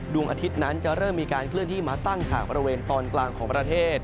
ดวงอาทิตย์นั้นจะเริ่มมีการเคลื่อนที่มาตั้งฉากบริเวณตอนกลางของประเทศ